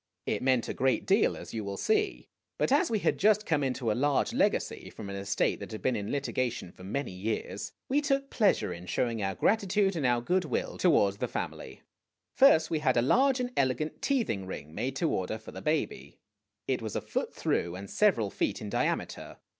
It meant a great deal, as you will see ; but as we had just come into a large legacy from an estate that had been in litigation for many years, we took pleasure in showing our gratitude and our good will THE BULL CHARGED ON THE BABY. GOOD NEIGHBORS 2OI toward the family. First we had a large and elegant teething ring made to order for the baby. It was a foot through and several feet in diameter.